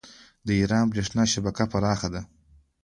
د ایران بریښنا شبکه پراخه ده.